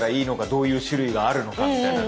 どういう種類があるのかみたいな。